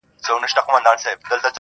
زما انارګلي زما ښایستې خورکۍ،